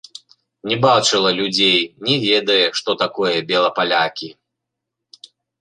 Не бачыла людзей, не ведае, што такое белапалякі.